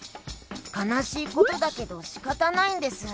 かなしいことだけどしかたないんです。